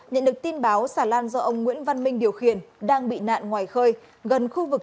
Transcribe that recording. nhận được tin báo xà lan do ông nguyễn văn minh điều khiển đang bị nạn ngoài khơi gần khu vực